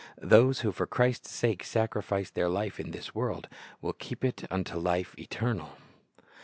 Those who for Christ's sake sacrifice their life in this world, will keep it unto life eternal.